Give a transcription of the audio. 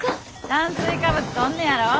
炭水化物とんねやろ